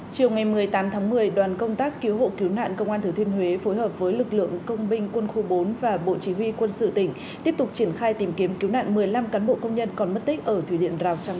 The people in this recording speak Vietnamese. chiều ngày một mươi tám tháng một mươi đoàn công tác cứu họa tỉnh hà tĩnh đã tìm thấy lúc một mươi một h hai mươi phút ngày một mươi tám tháng một mươi